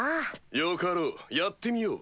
よかろうやってみよう。